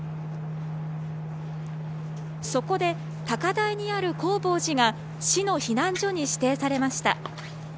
そこで高台にある弘法寺が市の避難所に指定されました。